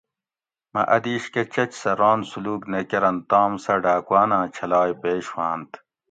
مہ اۤ دیش کہ چچ سہ ران سلوک نہ کرنت تام سہ ڈاکواناں چھلائ پیش ہوانت